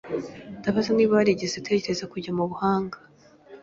Ndabaza niba warigeze utekereza kujya mubuhanga.